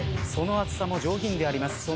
その厚さも上品であります。